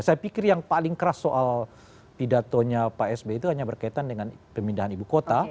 saya pikir yang paling keras soal pidatonya pak sby itu hanya berkaitan dengan pemindahan ibu kota